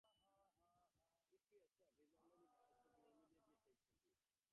If he accepts, and is already a bishop, he immediately takes office.